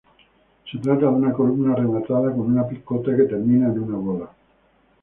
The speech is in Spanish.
Se trata de una columna rematada con una picota que termina en una bola.